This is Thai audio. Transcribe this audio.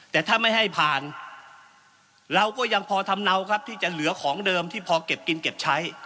แต่ถ้าไม่ให้ผ่านเราก็ยังพอทำเนาครับที่จะเหลือของเดิมที่พอเก็บกินเก็บใช้